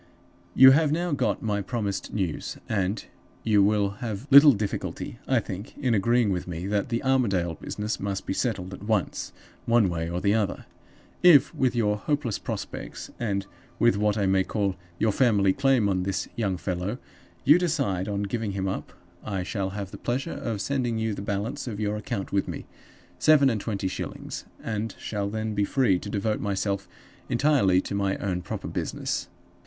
"You have now got my promised news, and you will have little difficulty, I think, in agreeing with me that the Armadale business must be settled at once, one way or the other. If, with your hopeless prospects, and with what I may call your family claim on this young fellow, you decide on giving him up, I shall have the pleasure of sending you the balance of your account with me (seven and twenty shillings), and shall then be free to devote myself entirely to my own proper business.